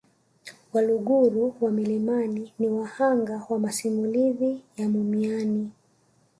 Waluguru wa milimani ni wahanga wa masimulizi ya mumiani